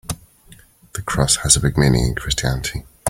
The cross has a big meaning in Christianity.